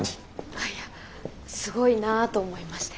あいやすごいなぁと思いまして。